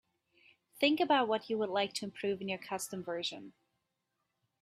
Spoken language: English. Think about what you would like to improve in your custom version.